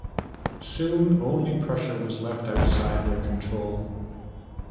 Soon only Prussia was left outside their control.